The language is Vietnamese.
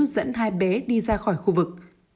dẫn hai bé đi ra khỏi khu vực